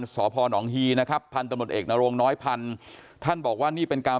สพนฮีนะครับพันธมตเอกนโรงน้อยพันธุ์ท่านบอกว่านี่เป็นการ